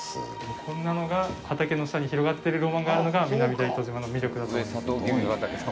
こんなのが畑の下に広がってるロマンがあるのが南大東島の魅力だと思います。